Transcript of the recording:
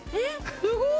すごーい！